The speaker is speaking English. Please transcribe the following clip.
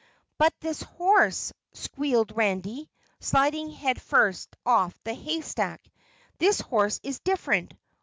"But this horse," squealed Randy, sliding head first off the haystack, "this horse is different.